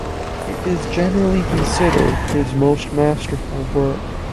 It is generally considered his most masterful work.